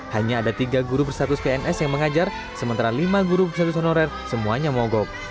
hanya ada tiga guru bersatus pns yang mengajar sementara lima guru besar honorer semuanya mogok